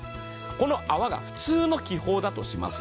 この泡が普通の気泡だとします。